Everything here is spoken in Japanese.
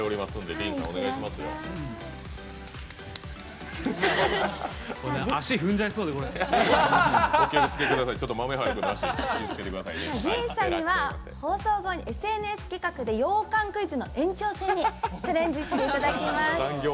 ＤＥＡＮさんには放送後、ＳＮＳ企画で羊羹クイズの延長戦にチャレンジしていただきます。